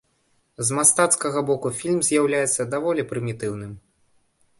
З мастацкага боку фільм з'яўляецца даволі прымітыўным.